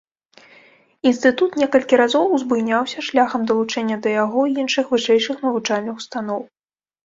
Інстытут некалькі разоў узбуйняўся шляхам далучэння да яго іншых вышэйшых навучальных устаноў.